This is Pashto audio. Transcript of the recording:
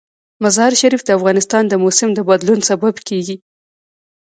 مزارشریف د افغانستان د موسم د بدلون سبب کېږي.